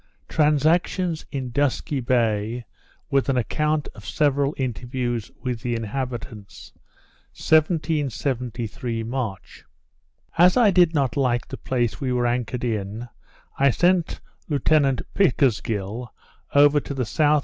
Transactions in Dusky Bay, with an Account of several Interviews with the Inhabitants. 1773 March As I did not like the place we had anchored in, I sent Lieutenant Pickersgill over to the S.E.